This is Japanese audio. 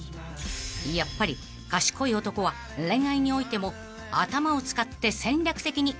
［やっぱり賢い男は恋愛においても「頭を使って戦略的に！」